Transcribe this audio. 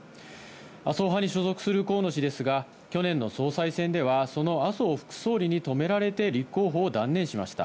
麻生派に所属する河野氏ですが、去年の総裁選では、その麻生副総理に止められて立候補を断念しました。